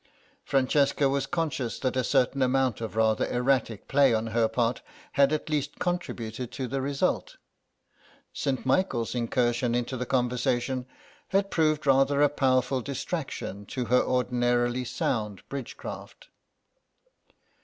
Francesca was conscious that a certain amount of rather erratic play on her part had at least contributed to the result. St. Michael's incursion into the conversation had proved rather a powerful distraction to her ordinarily sound bridge craft.